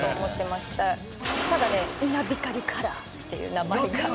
「ただね稲光カラーっていう名前が」